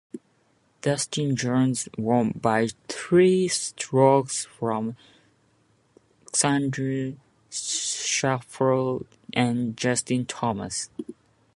Dustin Johnson won by three strokes from Xander Schauffele and Justin Thomas.